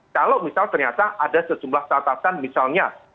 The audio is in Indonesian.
kalau misal ternyata ada sejumlah catatan misalnya